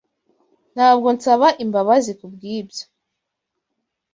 Ntabwo nsaba imbabazi kubwibyo.